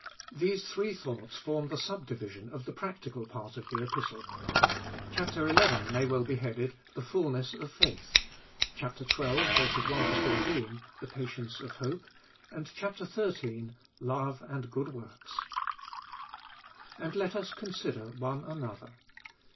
These three thoughts form the sub division of the practical part of the Epistle. Chap. xi. may well be headed, The fulness of faith ; chap. xii. 1 14, The patience of hope; and chap, xiii., Love and good works. And let us consider one another.